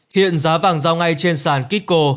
hiện giá vàng giao ngay trên sàn kiko